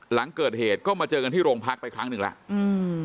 หลังเกิดเหตุก็มาเจอกันที่โรงพักไปครั้งหนึ่งแล้วอืม